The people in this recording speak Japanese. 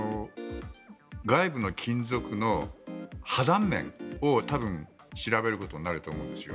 外部の金属の破断面を多分、調べることになると思うんですよ。